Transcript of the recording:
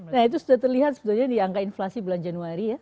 nah itu sudah terlihat sebenarnya di angka inflasi bulan januari ya